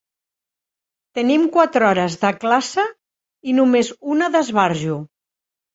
Tenim quatre hores de classe i només una d'esbarjo.